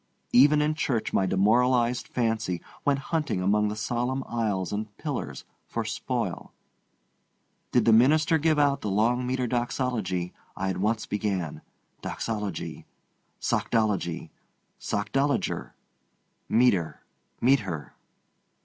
Even in church my demoralized fancy went hunting among the solemn aisles and pillars for spoil. Did the minister give out the long meter doxology, at once I began: "Doxology—sockdology—sockdolager—meter—meet her."